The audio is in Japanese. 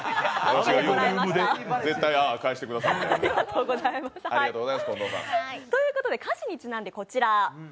絶対「ＡＨ」返してくださいって。ということで歌詞にちなんでこちら。